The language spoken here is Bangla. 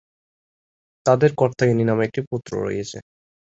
তাঁদের কাত্যায়নী নামে একটি পুত্র রয়েছে।